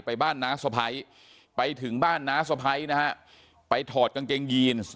ไปบ้านน้าสะพ้ายไปถึงบ้านน้าสะพ้ายนะฮะไปถอดกางเกงยีน